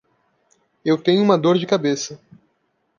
Eu tenho uma dor de cabeça.